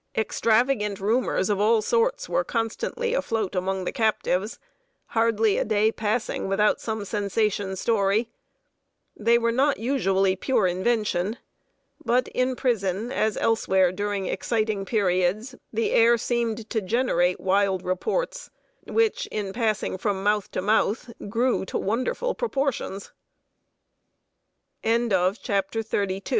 Extravagant rumors of all sorts were constantly afloat among the captives; hardly a day passing without some sensation story. They were not usually pure invention; but in prison, as elsewhere during exciting periods, the air seemed to generate wild reports, which, in passing from mouth to mouth, grew